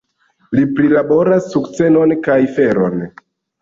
Li prilaboras sukcenon kaj feron.